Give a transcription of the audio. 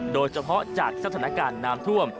โดยเฉพาะจากสถานการณ์น้ำท่วม